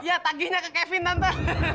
iya tagihnya ke kevin tante